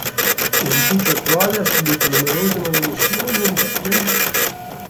L'edificio attuale ha subito numerose manomissioni e rifacimenti.